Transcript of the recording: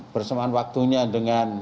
bersemangat waktunya dengan